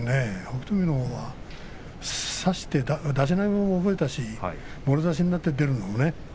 北勝海は差して出し投げも覚えたし、もろ差しになって出るのも。